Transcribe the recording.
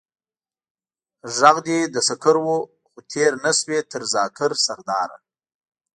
ژغ دې د سکر و، خو تېر نه شوې تر ذاکر سرداره.